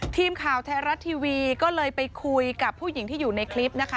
ทีมข่าวไทยรัฐทีวีก็เลยไปคุยกับผู้หญิงที่อยู่ในคลิปนะคะ